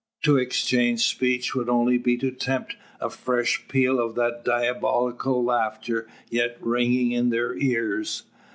To exchange speech would only be to tempt a fresh peal of that diabolical laughter yet ringing in their ears.